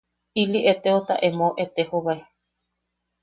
Ili eteota emou etejobae.